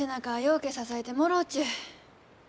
うけ支えてもろうちゅう。